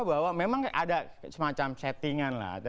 bahwa memang ada semacam settingan lah